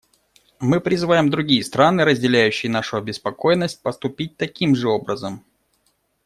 Мы призываем другие страны, разделяющие нашу обеспокоенность, поступить таким же образом.